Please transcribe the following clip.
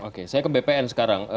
oke saya ke bpn sekarang